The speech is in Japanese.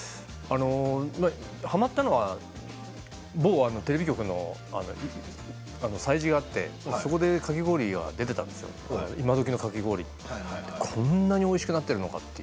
はまったのは某テレビ局の催事があって、そこでかき氷が出ていたんですけど今どきのかき氷、こんなにおいしくなっているのかと。